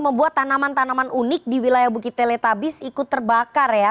membuat tanaman tanaman unik di wilayah bukit teletabis ikut terbakar ya